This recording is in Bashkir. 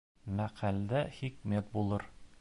Мәҡәлдә хикмәт булыр.